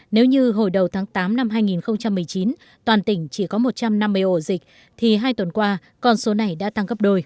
nếu như hồi đầu tháng tám năm hai nghìn một mươi chín toàn tỉnh chỉ có một trăm năm mươi ổ dịch thì hai tuần qua con số này đã tăng gấp đôi